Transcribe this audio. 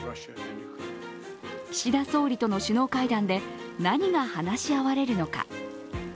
岸田総理との首脳会談で何が話し合われるのか。